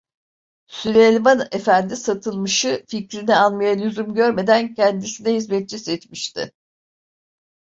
Süleyman Efendi Satılmış'ı, fikrini almaya lüzum görmeden kendisine hizmetçi seçmişti.